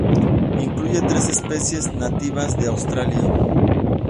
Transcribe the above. Incluye tres especies nativas de Australia.